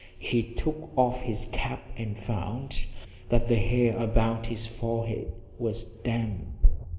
He took off his cap and found that the hair about his forehead was damp.